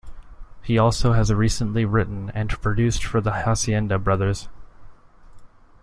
He also has recently written and produced for the Hacienda Brothers.